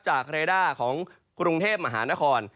เรด้าของกรุงเทพมหานคร